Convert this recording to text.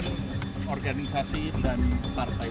terima kasih pak ya